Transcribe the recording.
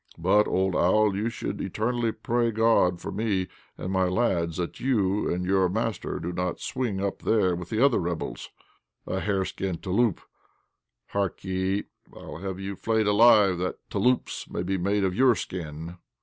But, old owl, you should eternally pray God for me and my lads that you and your master do not swing up there with the other rebels. A hareskin 'touloup!' Hark ye, I'll have you flayed alive that 'touloups' may be made of your skin."